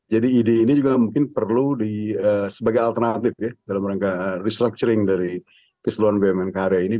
jadi ide ini juga mungkin perlu sebagai alternatif ya dalam rangka restructuring dari keseluruhan bumn karya ini